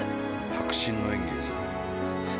迫真の演技ですね。